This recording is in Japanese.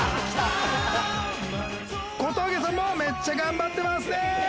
小峠さんもめっちゃ頑張ってますね。